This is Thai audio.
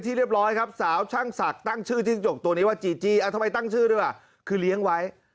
ตั้งชื่อตัวนี้ว่าจีจี้ทำไมตั้งชื่อด้วยว่ะคือเลี้ยงไว้